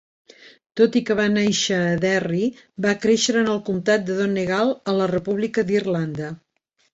Tot i que va nàixer a Derry, va créixer en el comtat de Donegal, a la República d'Irlanda.